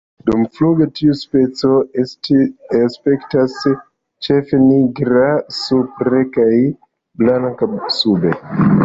Dumfluge tiu specio aspektas ĉefe nigra supre kaj blanka sube.